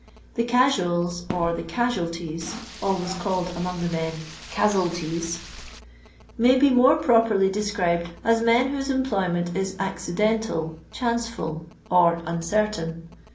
The "casuals" or the "casualties" (always called among the men " cazzelties "), may be more pro perly described as men whose employment is ac cidental, chanceful, or uncertain.